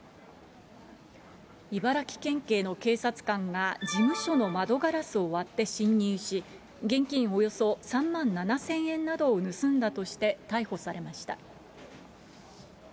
茨城県警の警察官が、事務所の窓ガラスを割って侵入し、現金およそ３万７０００円などを盗んだとして逮捕されました。